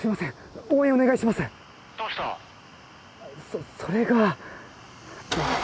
そそれが。